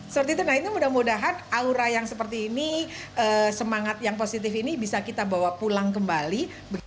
seperti itu nah itu mudah mudahan aura yang seperti ini semangat yang positif ini bisa kita bawa pulang kembali